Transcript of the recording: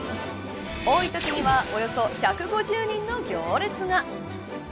多いときにはおよそ１５０人の行列が。